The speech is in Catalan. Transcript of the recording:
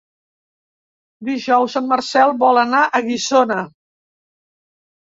Dijous en Marcel vol anar a Guissona.